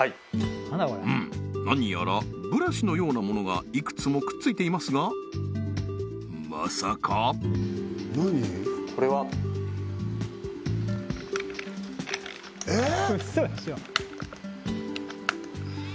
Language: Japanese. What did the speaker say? うん何やらブラシのようなものがいくつもくっついていますがまさかえっ？